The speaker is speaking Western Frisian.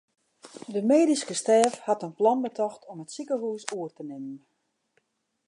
De medyske stêf hat in plan betocht om it sikehûs oer te nimmen.